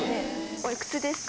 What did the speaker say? おいくつですか。